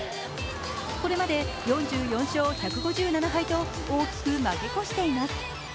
これまで４４勝１５７敗と大きく負け越しています。